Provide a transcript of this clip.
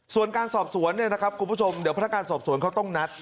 ส่วนการสอบสวนเดี๋ยวพระราชการสอบสวนเขาต้องนัด